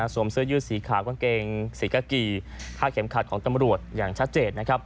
สวมเสื้อยืดสีขาก้อนเกงสีกะกีค่าเข็มขัดของจำรวจอย่างชัดเจน